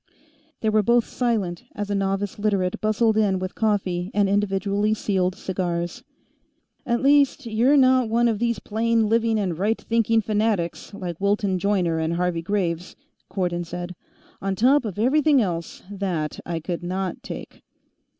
They were both silent as a novice Literate bustled in with coffee and individually sealed cigars. "At least, you're not one of these plain living and right thinking fanatics, like Wilton Joyner and Harvey Graves," Cardon said. "On top of everything else, that I could not take."